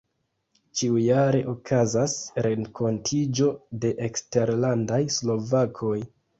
Ĉiujare okazas renkontiĝo de eksterlandaj slovakoj.